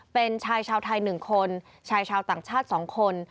เป็นชายชาวไทย๑คนชายชาวต่างชาติ๒คน